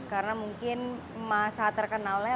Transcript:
karena mungkin masa terkenalnya